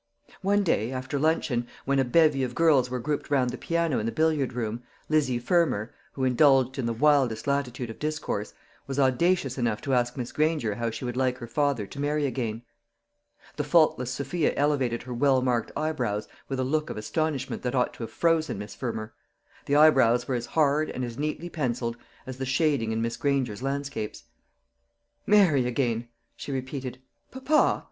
One day, after luncheon, when a bevy of girls were grouped round the piano in the billiard room, Lizzie Fermor who indulged in the wildest latitude of discourse was audacious enough to ask Miss Granger how she would like her father to marry again. The faultless Sophia elevated her well marked eyebrows with a look of astonishment that ought to have frozen Miss Fermor. The eyebrows were as hard and as neatly pencilled as the shading in Miss Granger's landscapes. "Marry again!" she repeated, "papa!